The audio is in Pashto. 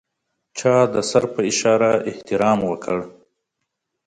چا د سر په اشاره احترام وکړ.